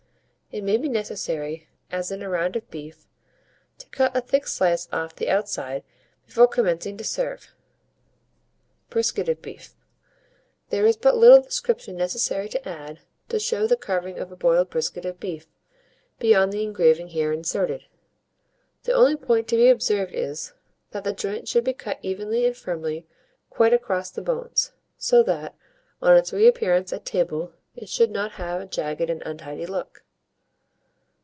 It may be necessary, as in a round of beef, to cut a thick slice off the outside before commencing to serve. BRISKET OF BEEF. There is but little description necessary to add, to show the carving of a boiled brisket of beef, beyond the engraving here inserted. The only point to be observed is, that the joint should be cut evenly and firmly quite across the bones, so that, on its reappearance at table, it should not have a jagged and untidy look.